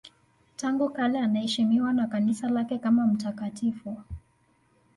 Tangu kale anaheshimiwa na Kanisa lake kama mtakatifu.